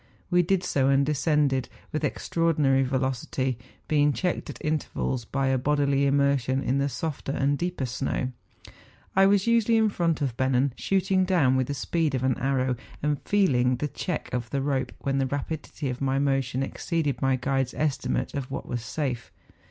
We did so, and descended with extraordinary velocity, being checked at intervals by a bodily immersion in the softer and deeper snow. I was usually in front of Bennen, shooting down with the speed of an arrow, and feel¬ ing the check of the rope when the rapidity of my motion exceeded my guide's estimate of what was safe.